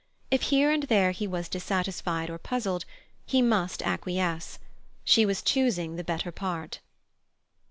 If here and there he was dissatisfied or puzzled, he must acquiesce; she was choosing the better part.